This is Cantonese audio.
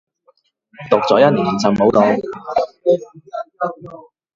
讀咗一年就冇讀